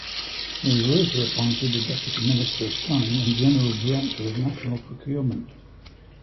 He was later appointed deputy minister of planning and general director of national procurement.